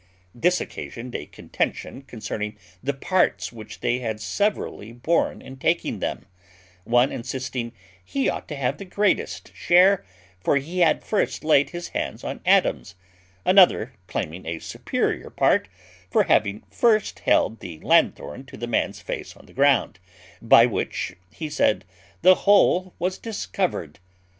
This occasioned a contention concerning the parts which they had severally borne in taking them; one insisting he ought to have the greatest share, for he had first laid his hands on Adams; another claiming a superior part for having first held the lanthorn to the man's face on the ground, by which, he said, "the whole was discovered."